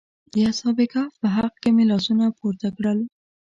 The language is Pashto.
د اصحاب کهف په حق کې مې لاسونه پورته کړل.